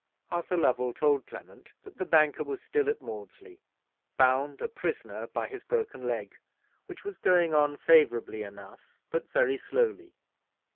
Arthur Lovell told Clement that the banker was still at Maudesley, bound a prisoner by his broken leg, which was going on favourably enough, but very slowly.